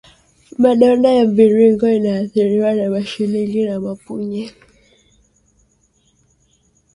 madonda ya mviringo iliyoathiriwa na mashilingi na mapunye